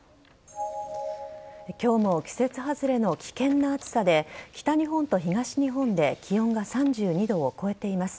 今日も季節外れの危険な暑さで北日本と東日本で気温が３２度を超えています。